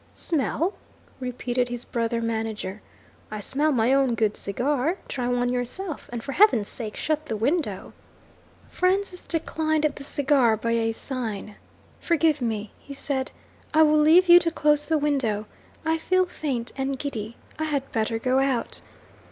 'Smell!' repeated his brother manager. 'I smell my own good cigar. Try one yourself. And for Heaven's sake shut the window!' Francis declined the cigar by a sign. 'Forgive me,' he said. 'I will leave you to close the window. I feel faint and giddy I had better go out.'